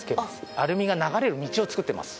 アルミが流れる道を作ってます。